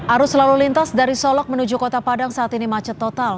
arus lalu lintas dari solok menuju kota padang saat ini macet total